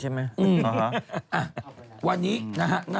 จะเหลือกว่าแก่กว่าฉันใช่ไหม